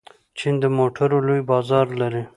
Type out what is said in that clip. چین د موټرو لوی بازار لري.